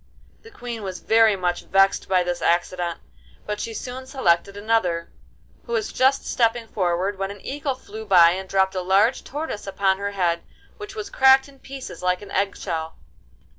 The Queen was very much vexed by this accident, but she soon selected another, who was just stepping forward when an eagle flew by and dropped a large tortoise upon her head, which was cracked in pieces like an egg shell.